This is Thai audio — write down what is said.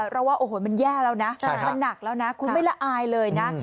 เราว่าโอ้โหมันแย่แล้วนะมันหนักแล้วนะคุณไม่ละอายเลยนะ